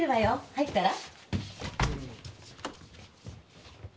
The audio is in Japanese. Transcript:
入ったら？